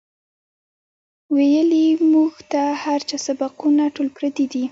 وئیلـي مونږ ته هـر چا سبقــونه ټول پردي دي